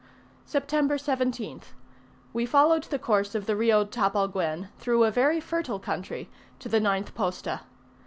September 17th. We followed the course of the Rio Tapalguen, through a very fertile country, to the ninth posta.